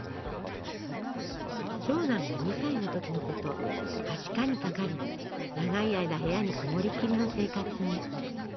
長男が２歳の時のことはしかにかかり長い間部屋に籠もりきりの生活に。